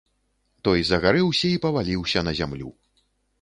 Той загарэўся і паваліўся на зямлю.